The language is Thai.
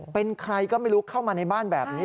เป็นใครก็ไม่รู้เข้ามาในบ้านแบบนี้